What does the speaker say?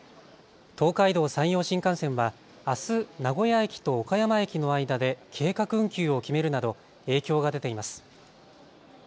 東海道、山陽新幹線はあす名古屋駅と岡山駅の間で計画運休を決めるなど影響が出ています。